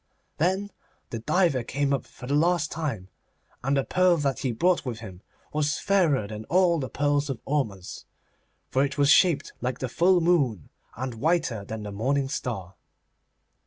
Then the diver came up for the last time, and the pearl that he brought with him was fairer than all the pearls of Ormuz, for it was shaped like the full moon, and whiter than the morning star.